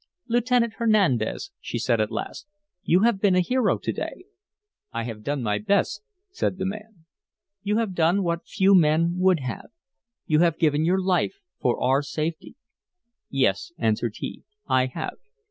"Lieutenant Hernandez," she said at last, "you have been a hero to day." "I have done my best," said the man. "You have done what few men would have. You have given your life for our safety." "Yes," answered he, "I have."